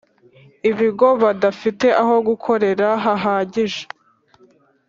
Ibigo bidafite aho gukorera hahagije